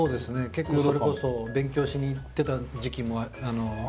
結構それこそ勉強しに行ってた時期も時もありますし。